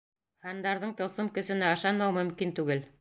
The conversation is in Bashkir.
Һандарҙың тылсым көсөнә ышанмау мөмкин түгел.